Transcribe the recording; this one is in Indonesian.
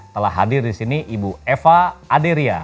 telah hadir di sini ibu eva aderia